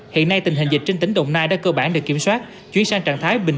hiện nay tình hình dịch trên tỉnh đồng nai đã cơ bản được kiểm soát chuyển sang trạng thái bình